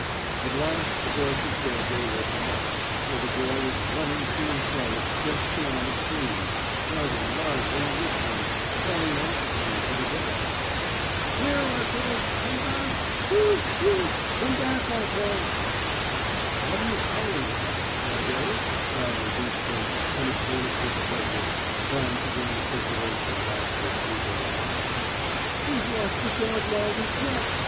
At last the voice of Sergey woke him up, for the boy was running to and fro just beyond the stream, shouting loudly and whistling, calling anxiously for the dog. "Here, Arto! Come back! Pheu, pheu! Come back, Arto!" "What are you howling about, Sergey?" cried Lodishkin in a tone of displeasure, trying to bring the circulation back to a sleeping arm. "We've lost the dog whilst we slept.